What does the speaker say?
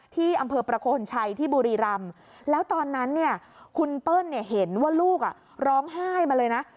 ที่อำเภอประโคนชัยที่บุรีรำแล้วตอนนั้นเนี่ยคุณเปิ้ลเห็นว่าลูกร้องไห้มาเลยนะ